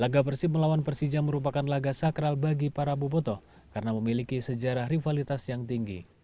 laga persib melawan persija merupakan laga sakral bagi para boboto karena memiliki sejarah rivalitas yang tinggi